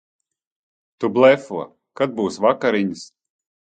Tu blefo. Kad būs vakariņas?